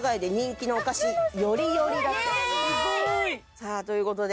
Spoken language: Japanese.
さあという事で。